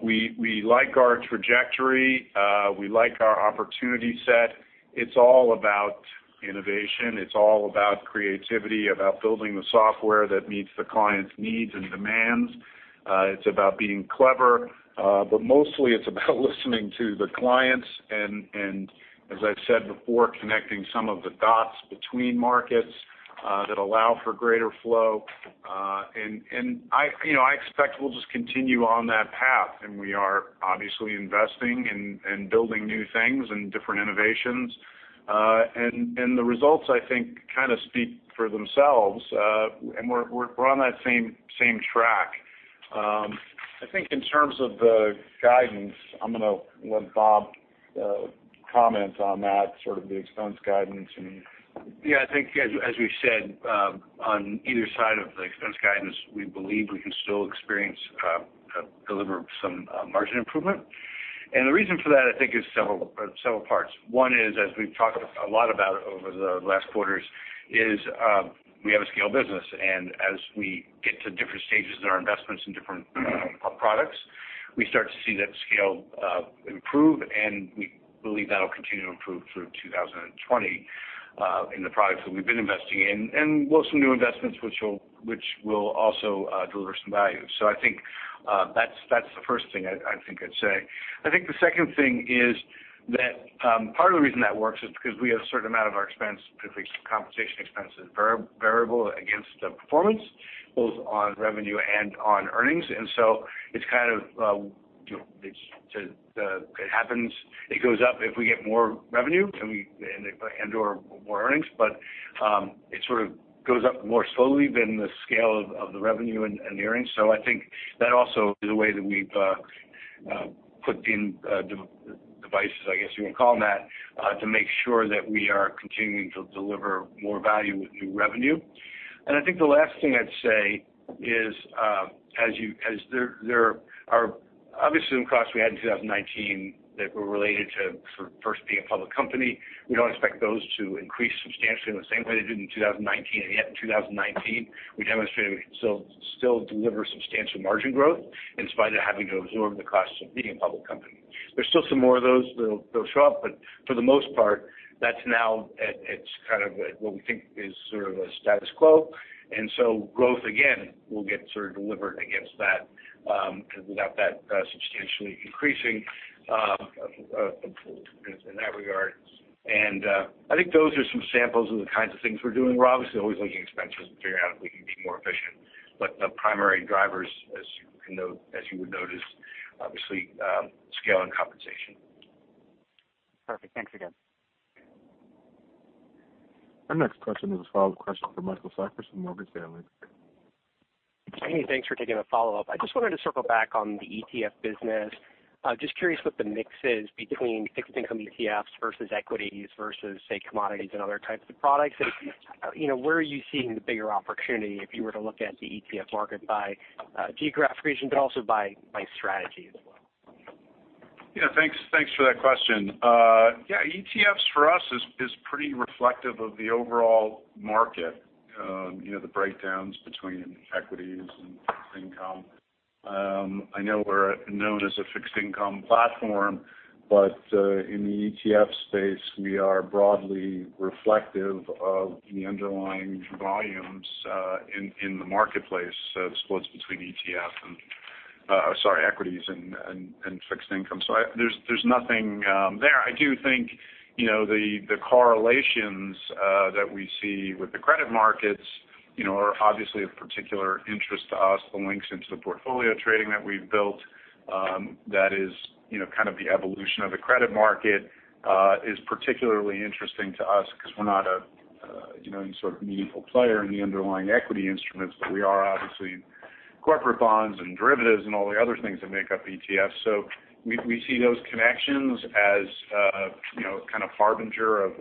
We like our trajectory. We like our opportunity set. It's all about innovation. It's all about creativity, about building the software that meets the client's needs and demands. It's about being clever. Mostly it's about listening to the clients and as I've said before, connecting some of the dots between markets that allow for greater flow. I expect we'll just continue on that path, and we are obviously investing and building new things and different innovations. The results, I think, kind of speak for themselves. We're on that same track. I think in terms of the guidance, I'm going to let Robert Warshaw comment on that, sort of the expense guidance and I think as we've said on either side of the expense guidance, we believe we can still deliver some margin improvement. The reason for that, I think, is several parts. One is, as we've talked a lot about over the last quarters, is we have a scale business, and as we get to different stages in our investments in different products, we start to see that scale improve, and we believe that'll continue to improve through 2020 in the products that we've been investing in. With some new investments, which will also deliver some value. I think that's the first thing I'd say. I think the second thing is that part of the reason that works is because we have a certain amount of our expense, particularly compensation expense, is variable against performance, both on revenue and on earnings. It goes up if we get more revenue and/or more earnings. It sort of goes up more slowly than the scale of the revenue and the earnings. I think that also is a way that we've put in devices, I guess you would call them that, to make sure that we are continuing to deliver more value with new revenue. I think the last thing I'd say is, obviously some costs we had in 2019 that were related to first being a public company, we don't expect those to increase substantially in the same way they did in 2019. Yet in 2019, we demonstrated we can still deliver substantial margin growth in spite of having to absorb the costs of being a public company. There's still some more of those that'll show up, but for the most part, that's now what we think is sort of a status quo. Growth, again, will get delivered against that, because without that substantially increasing in that regard. I think those are some samples of the kinds of things we're doing. We're obviously always looking at expenses and figuring out if we can be more efficient. The primary drivers, as you would notice, obviously, scale and compensation. Perfect. Thanks again. Our next question is a follow-up question from Michael Cyprys, Morgan Stanley. Hey, thanks for taking the follow-up. I just wanted to circle back on the ETF business. Just curious what the mix is between fixed income ETFs versus equities versus, say, commodities and other types of products. Where are you seeing the bigger opportunity if you were to look at the ETF market by geographic region, but also by strategy as well? Thanks for that question. ETFs for us is pretty reflective of the overall market. The breakdowns between equities and fixed income. I know we're known as a fixed income platform, but in the ETF space, we are broadly reflective of the underlying volumes in the marketplace, the splits between equities and fixed income. There's nothing there. I do think the correlations that we see with the credit markets are obviously of particular interest to us. The links into the portfolio trading that we've built, that is kind of the evolution of the credit market, is particularly interesting to us because we're not any sort of meaningful player in the underlying equity instruments, but we are obviously in corporate bonds and derivatives and all the other things that make up ETFs. We see those connections as a kind of harbinger of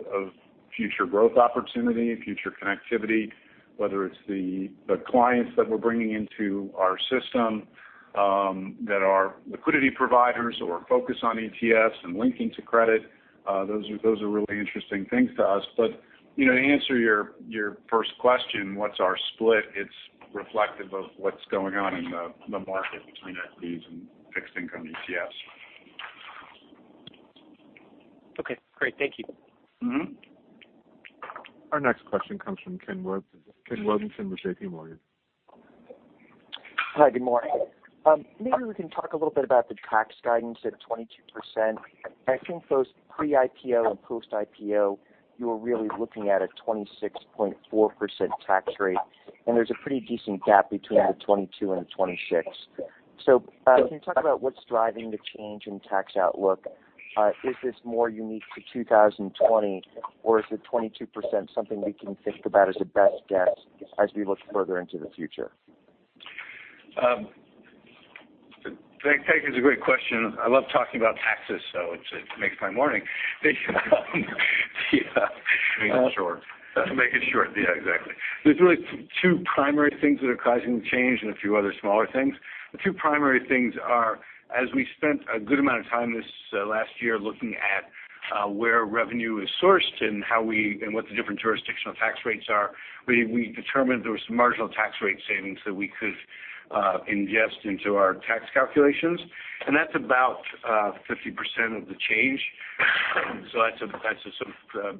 future growth opportunity, future connectivity, whether it's the clients that we're bringing into our system that are liquidity providers or focus on ETFs and linking to credit. Those are really interesting things to us. To answer your first question, what's our split? It's reflective of what's going on in the market between equities and fixed income ETFs. Okay, great. Thank you. Our next question comes from Ken Worthington with JPMorgan. Hi, good morning. We can talk a little bit about the tax guidance at 22%. I think those pre-IPO and post-IPO, you're really looking at a 26.4% tax rate, and there's a pretty decent gap between the 22% and the 26%. Can you talk about what's driving the change in tax outlook? Is this more unique to 2020, or is the 22% something we can think about as a best guess as we look further into the future? I think it's a great question. I love talking about taxes, so it makes my morning. Make it short. Make it short. Yeah, exactly. There's really two primary things that are causing the change and a few other smaller things. The two primary things are, as we spent a good amount of time this last year looking at where revenue is sourced and what the different jurisdictional tax rates are, we determined there was some marginal tax rate savings that we could ingest into our tax calculations, and that's about 50% of the change. That's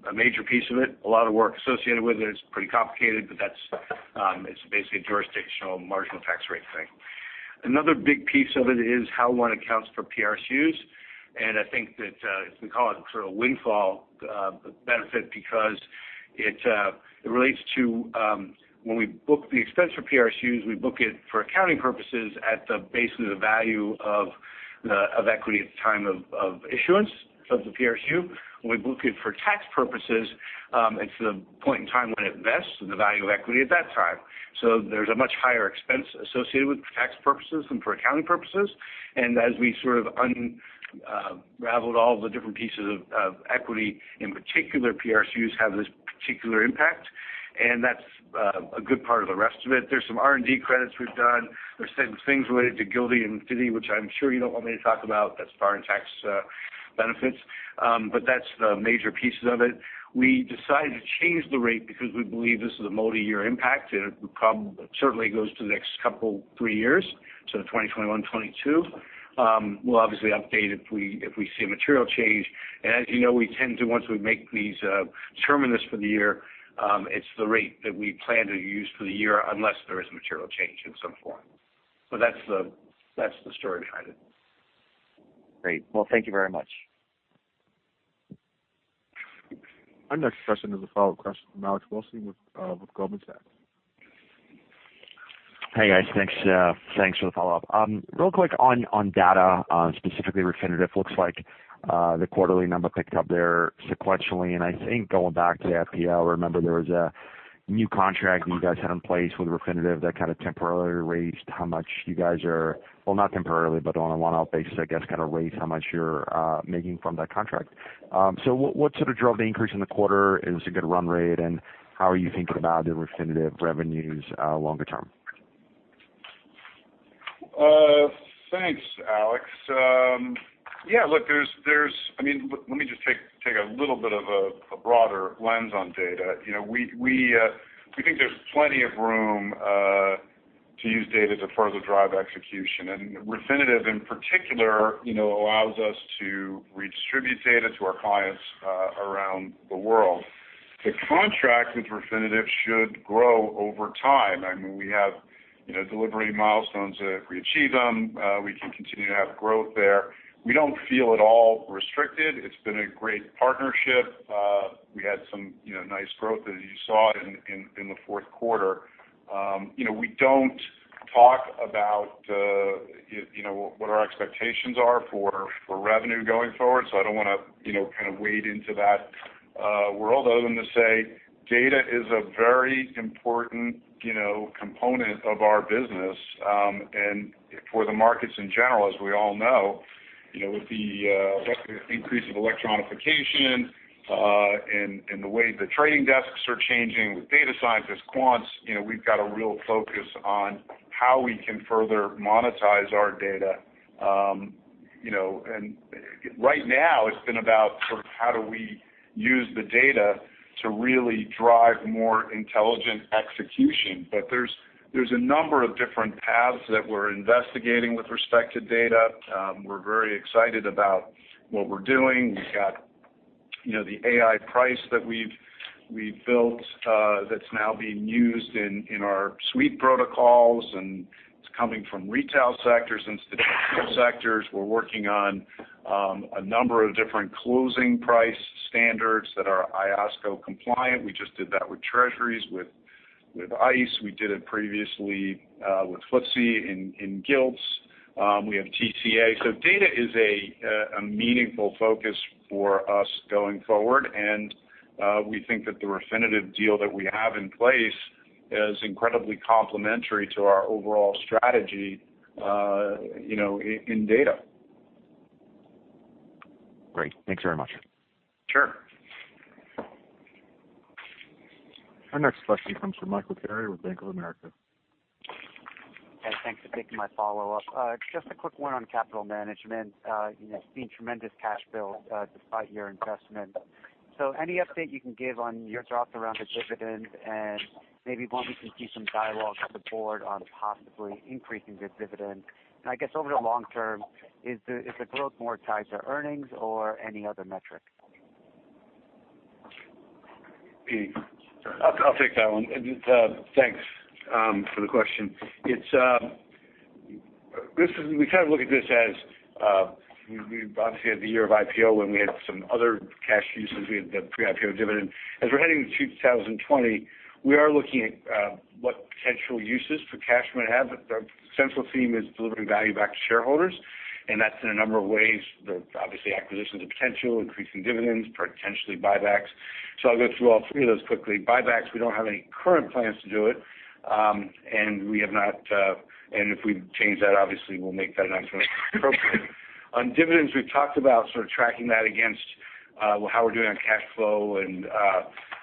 a major piece of it. A lot of work associated with it. It's pretty complicated, but it's basically a jurisdictional marginal tax rate thing. Another big piece of it is how one accounts for PRSUs. I think that we call it sort of windfall benefit because when we book the expense for PRSUs, we book it for accounting purposes at basically the value of equity at the time of issuance of the PRSUs. When we book it for tax purposes, it's the point in time when it vests and the value of equity at that time. There's a much higher expense associated with it for tax purposes than for accounting purposes, and as we sort of unraveled all the different pieces of equity, in particular, PRSUs have this particular impact. That's a good part of the rest of it. There's some R&D credits we've done. There's certain things related to GILTI and FDII, which I'm sure you don't want me to talk about. That's foreign tax benefits. That's the major pieces of it. We decided to change the rate because we believe this is a multi-year impact, it certainly goes to the next couple three years, so 2021, 2022. We'll obviously update if we see a material change. As you know, we tend to, once we make these terminus for the year, it's the rate that we plan to use for the year unless there is a material change in some form. That's the story behind it. Great. Well, thank you very much. Our next question is a follow-up question from Alex Blostein with Goldman Sachs. Hey, guys. Thanks for the follow-up. Real quick on data, specifically Refinitiv, looks like the quarterly number picked up there sequentially, and I think going back to the IPO, remember there was a new contract you guys had in place with Refinitiv that kind of temporarily raised how much well, not temporarily, but on a one-off basis, I guess, kind of raised how much you're making from that contract. What drove the increase in the quarter? Is it good run rate, and how are you thinking about the Refinitiv revenues longer term? Thanks, Alex Blostein. Yeah, look, let me just take a little bit of a broader lens on data. Refinitiv, in particular, allows us to redistribute data to our clients around the world. The contract with Refinitiv should grow over time. We have delivery milestones. If we achieve them, we can continue to have growth there. We don't feel at all restricted. It's been a great partnership. We had some nice growth, as you saw it in the fourth quarter. We don't talk about what our expectations are for revenue going forward. I don't want to wade into that world other than to say data is a very important component of our business. For the markets in general, as we all know, with the increase of electronification and the way the trading desks are changing with data scientists, quants, we've got a real focus on how we can further monetize our data. Right now, it's been about how do we use the data to really drive more intelligent execution. There's a number of different paths that we're investigating with respect to data. We're very excited about what we're doing. We've got the Ai-Price that we've built that's now being used in our suite protocols, and it's coming from retail sectors, institutional sectors. We're working on a number of different closing price standards that are IOSCO compliant. We just did that with Treasuries, with ICE. We did it previously with FTSE in gilts. We have TCA. Data is a meaningful focus for us going forward, and we think that the Refinitiv deal that we have in place is incredibly complementary to our overall strategy in data. Great. Thanks very much. Sure. Our next question comes from Michael Carrier with Bank of America. Hey, thanks for taking my follow-up. Just a quick one on capital management. Seeing tremendous cash build despite your investment. Any update you can give on your thoughts around the dividend, and maybe when we can see some dialogue with the board on possibly increasing the dividend? I guess over the long term, is the growth more tied to earnings or any other metric? I'll take that one. Thanks for the question. We kind of look at this as, we obviously had the year of IPO when we had some other cash uses. We had the pre-IPO dividend. As we're heading to 2020, we are looking at what potential uses for cash might have. The central theme is delivering value back to shareholders. That's in a number of ways. Obviously, acquisitions are potential, increasing dividends, potentially buybacks. I'll go through all three of those quickly. Buybacks, we don't have any current plans to do it. If we change that, obviously, we'll make that announcement appropriate. On dividends, we've talked about sort of tracking that against how we're doing on cash flow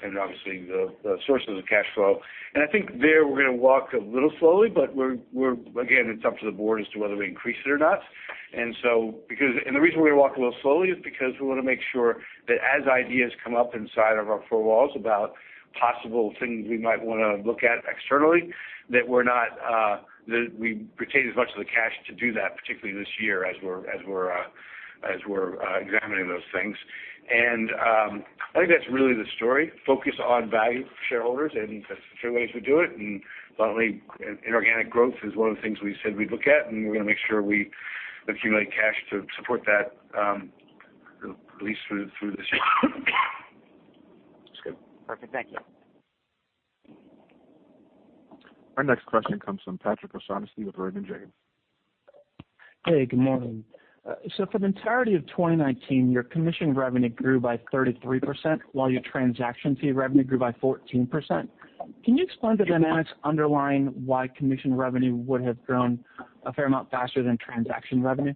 and obviously the sources of cash flow. I think there, we're going to walk a little slowly, but again, it's up to the board as to whether we increase it or not. The reason we're going to walk a little slowly is because we want to make sure that as ideas come up inside of our four walls about possible things we might want to look at externally, that we retain as much of the cash to do that, particularly this year as we're examining those things. I think that's really the story, focus on value for shareholders, and that's the three ways we do it. Finally, inorganic growth is one of the things we said we'd look at, and we're going to make sure we accumulate cash to support that, at least through this year. That's good. Perfect. Thank you. Our next question comes from Patrick O'Shaughnessy with Raymond James. Hey, good morning. For the entirety of 2019, your commission revenue grew by 33%, while your transaction fee revenue grew by 14%. Can you explain the dynamics underlying why commission revenue would have grown a fair amount faster than transaction revenue?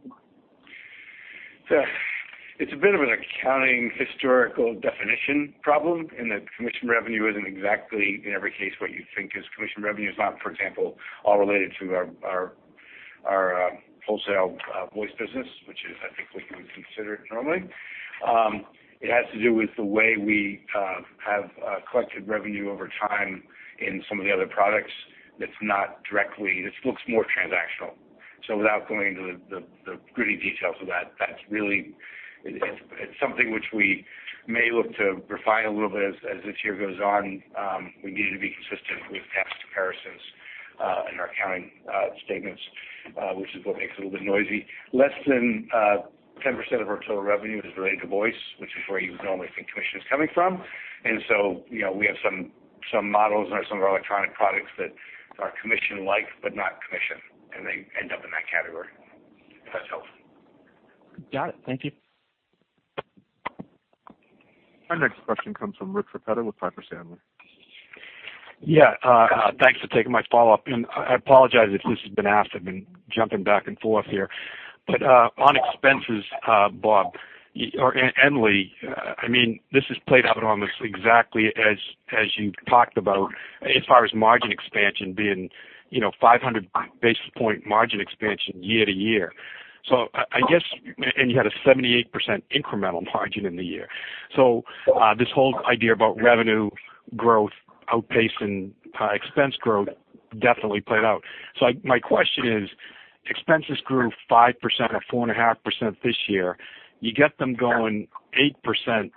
It's a bit of an accounting historical definition problem in that commission revenue isn't exactly, in every case, what you think is commission revenue. It's not, for example, all related to our wholesale voice business, which is, I think we can consider it normally. It has to do with the way we have collected revenue over time in some of the other products. This looks more transactional. Without going into the gritty details of that, it's something which we may look to refine a little bit as this year goes on. We need to be consistent with past comparisons in our accounting statements, which is what makes it a little bit noisy. Less than 10% of our total revenue is related to voice, which is where you would normally think commission is coming from. We have some models and some of our electronic products that are commission-like, but not commission, and they end up in that category. If that's helpful. Got it. Thank you. Our next question comes from Rich Repetto with Piper Sandler. Thanks for taking my follow-up. I apologize if this has been asked. I've been jumping back and forth here. On expenses, Robert Warshaw or Ashley Serrao, this has played out almost exactly as you talked about as far as margin expansion being 500 basis point margin expansion year-to-year. You had a 78% incremental margin in the year. This whole idea about revenue growth outpacing expense growth definitely played out. My question is, expenses grew 5% or 4.5% this year. You get them going 8%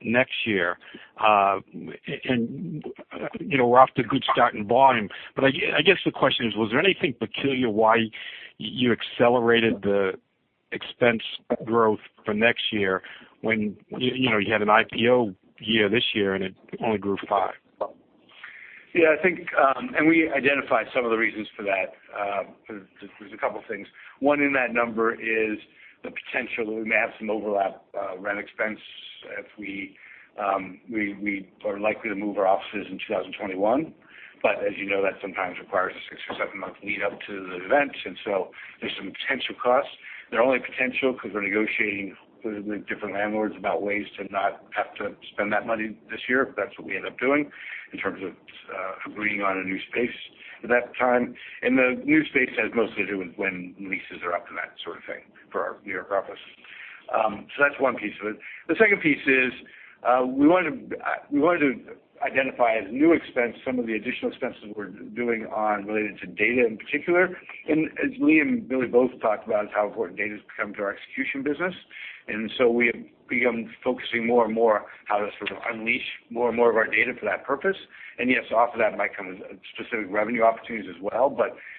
next year. We're off to a good start in volume. I guess the question is, was there anything peculiar why you accelerated the expense growth for next year when you had an IPO year this year, and it only grew 5%? Yeah, we identified some of the reasons for that. There's a couple things. One in that number is the potential that we may have some overlap rent expense if we are likely to move our offices in 2021. As you know, that sometimes requires a six or seven-month lead-up to the event, there's some potential costs. They're only potential because we're negotiating with different landlords about ways to not have to spend that money this year, if that's what we end up doing in terms of agreeing on a new space at that time. The new space has mostly to do with when leases are up and that sort of thing for our New York office. That's one piece of it. The second piece is we wanted to identify as new expense some of the additional expenses we're doing on related to data in particular. As Lee Olesky and Billy Hult both talked about is how important data's become to our execution business. We have become focusing more and more how to sort of unleash more and more of our data for that purpose. Yes, off of that might come specific revenue opportunities as well.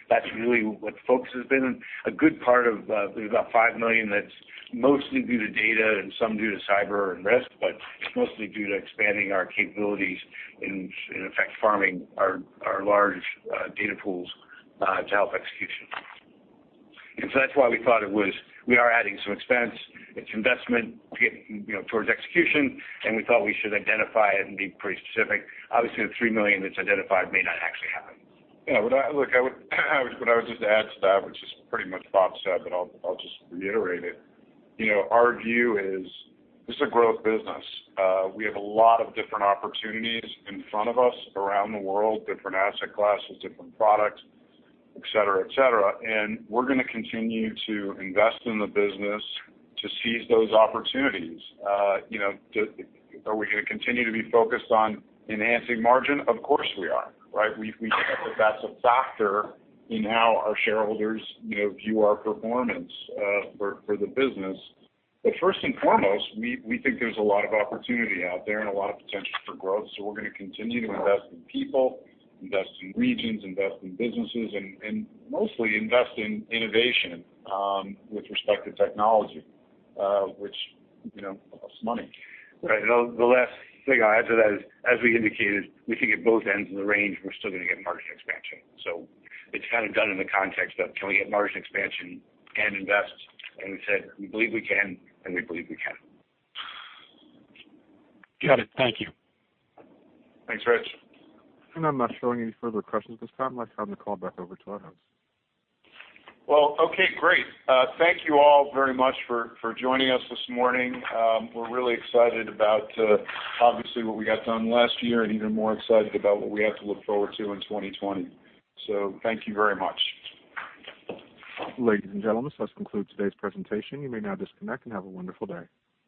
That's really what the focus has been. A good part of about $5 million that's mostly due to data and some due to cyber and risk, but mostly due to expanding our capabilities and in effect, farming our large data pools to help execution. That's why we thought we are adding some expense, it's investment towards execution, and we thought we should identify it and be pretty specific. Obviously, the $3 million that's identified may not actually happen. Yeah. Look, what I would just add to that, which is pretty much Robert Warshaw said, I'll just reiterate it. Our view is this is a growth business. We have a lot of different opportunities in front of us around the world, different asset classes, different products, et cetera. We're going to continue to invest in the business to seize those opportunities. Are we going to continue to be focused on enhancing margin? Of course, we are, right? We accept that that's a factor in how our shareholders view our performance for the business. First and foremost, we think there's a lot of opportunity out there and a lot of potential for growth. We're going to continue to invest in people, invest in regions, invest in businesses, and mostly invest in innovation with respect to technology, which costs money. Right. The last thing I'll add to that is, as we indicated, we think at both ends of the range, we're still going to get margin expansion. It's kind of done in the context of can we get margin expansion and invest, and we said we believe we can, and we believe we can. Got it. Thank you. Thanks, Rich Repetto. I'm not showing any further questions at this time. Let's turn the call back over to our hosts. Well, okay, great. Thank you all very much for joining us this morning. We're really excited about, obviously what we got done last year and even more excited about what we have to look forward to in 2020. Thank you very much. Ladies and gentlemen, this does conclude today's presentation. You may now disconnect, and have a wonderful day.